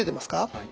はい。